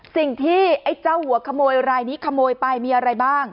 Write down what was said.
ไอ้เจ้าหัวขโมยรายนี้ขโมยไปมีอะไรบ้าง